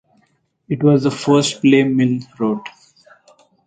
It was the first play Milne wrote.